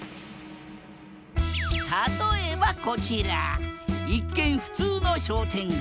例えばこちら一見普通の商店街。